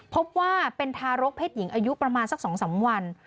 พบว่าเป็นทารกเพศหญิงอายุประมาณสัก๒๓วัน